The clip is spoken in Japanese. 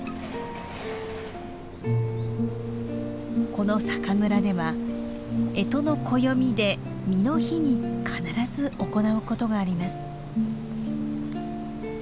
この酒蔵ではえとの暦で巳の日に必ず行うことがあります。